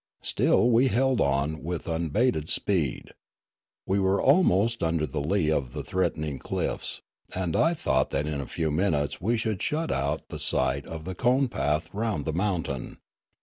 Still we held on with un abated speed. We were almost under the lee of the threatening cliffs ; and I thought that in a few minutes we should shut out the sight of the cone path round the mountain.